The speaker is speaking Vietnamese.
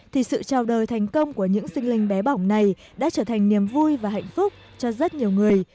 thì sự chào đời thành công của những sinh linh bé bỏng này đã trở thành niềm vui và hạnh phúc cho rất nhiều người